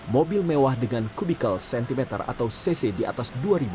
mobil mewah dengan kubikel sentimeter atau cc di atas dua ribu